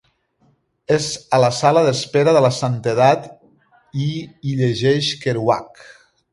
És a la sala d'espera de la santedat, i hi llegeix Kerouac.